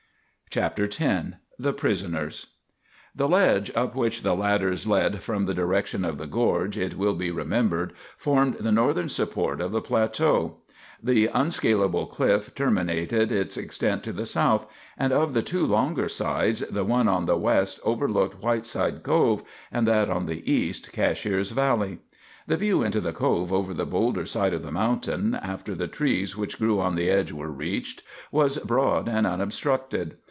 CHAPTER X THE PRISONERS The ledge up which the ladders led from the direction of the gorge, it will be remembered, formed the northern support of the plateau. The unscalable cliff terminated its extent to the south; and of the two longer sides the one on the west overlooked Whiteside Cove, and that on the east Cashiers valley. The view into the Cove over the boulder side of the mountain, after the trees which grew on the edge were reached, was broad and unobstructed.